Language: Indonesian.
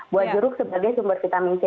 buah jeruk sebagai sumber vitamin c